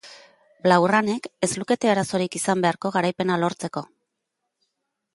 Blaugranek ez lukete arazorik izan beharko garaipena lortzeko.